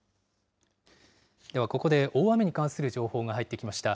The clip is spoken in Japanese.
ではここで、大雨に関する情報が入ってきました。